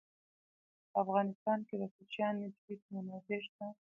په افغانستان کې د کوچیانو ډېرې منابع شته.